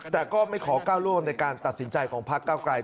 แต่ก็ไม่ขอก้าวล่วงในการตัดสินใจของพักเก้าไกล